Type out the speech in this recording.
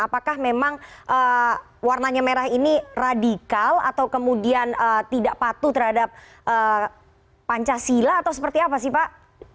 apakah memang warnanya merah ini radikal atau kemudian tidak patuh terhadap pancasila atau seperti apa sih pak